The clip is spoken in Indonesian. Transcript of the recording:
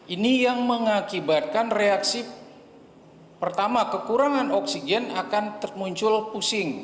ini yang mengakibatkan reaksi pertama kekurangan oksigen akan muncul pusing